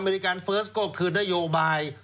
อเมริกันเฟิร์สก็คือนโยบาย